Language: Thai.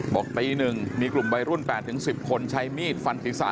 บอกตี๑มีกลุ่มวัยรุ่น๘๑๐คนใช้มีดฟันศีรษะ